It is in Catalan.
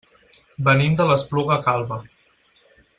Venim de l'Espluga Calba.